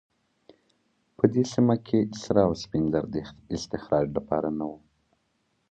په دې سیمه کې سره او سپین زر د استخراج لپاره نه وو.